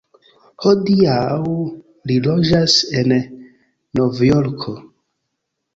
Hodiaŭ li loĝas en Novjorko.